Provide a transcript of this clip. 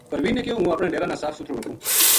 پروین نے کہیو ہوں اپنا ڈیرا نا صاف سُتھرو رکھوں